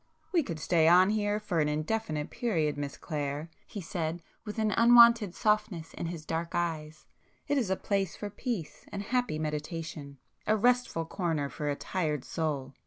"We could stay on here for an indefinite period Miss Clare,"—he said with an unwonted softness in his dark eyes; "It is a place for peace and happy meditation,—a restful corner for a tired soul."